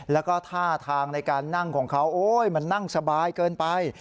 แล้วก็ท่าทางในการนั่งของเขาโอ๊ยมันนั่งสบายเกินไป